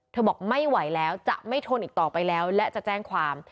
บอกไม่ไหวแล้วจะไม่ทนอีกต่อไปแล้วและจะแจ้งความ